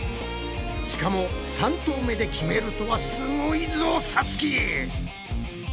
しかも３投目で決めるとはすごいぞさつき！